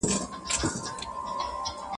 هغې